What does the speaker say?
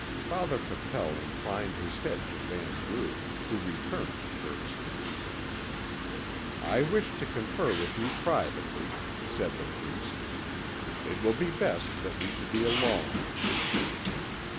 Father Capel inclined his head to Vanbrugh, who returned the courtesy. "I wish to confer with you privately," said the priest. "It will be best that we should be alone."